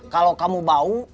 kalau kamu bau